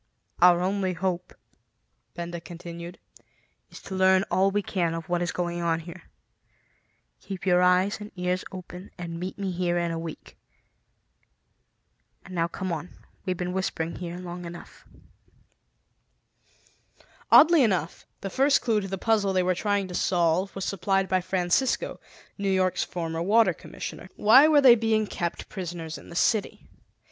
"Our only hope," Benda continued, "is to learn all we can of what is going on here. Keep your eyes and ears open and meet me here in a week. And now come on; we've been whispering here long enough." Oddly enough, the first clue to the puzzle they were trying to solve was supplied by Francisco, New York's former Water Commissioner. Why were they being kept prisoners in the city?